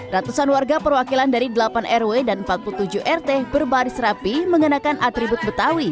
ratusan warga perwakilan dari delapan rw dan empat puluh tujuh rt berbaris rapi mengenakan atribut betawi